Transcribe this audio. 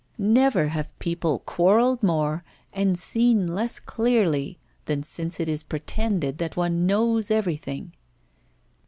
Never have people quarrelled more and seen less clearly than since it is pretended that one knows everything.